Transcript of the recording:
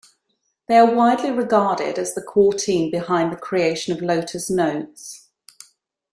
They are widely regarded as the core team behind the creation of Lotus Notes.